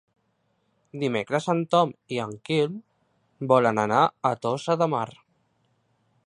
Dimecres en Tom i en Quim volen anar a Tossa de Mar.